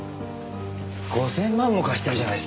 ５０００万も貸してるじゃないですか。